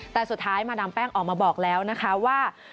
แต่สุดท้ายมาดามแป้งออกมาบอกแล้วนะคะว่า